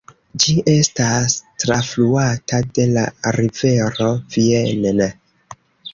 Ĝi estas trafluata de la rivero Vienne.